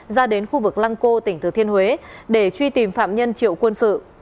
ra đến khu vực lăng cô tỉnh thừa thiên huế để truy tìm phạm nhân triệu quân sự